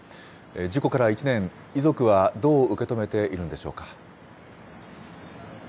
事故から１年、遺族はどう受け止めているんでしょうか。